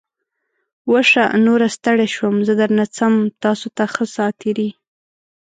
وشه. نوره ستړی شوم. زه درنه څم. تاسو ته ښه ساعتېری!